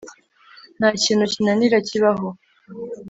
nta kintu kinanira kibaho.”